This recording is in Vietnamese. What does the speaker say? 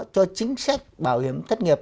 cho chính sách bảo hiểm thất nghiệp